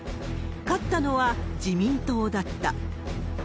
勝ったのは自民党だった。